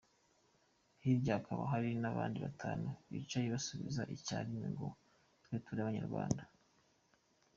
Hirya hakaba hari abandi batanu bicaye basubiriza icya rimwe ngo “Twe turi Abanyarwanda”.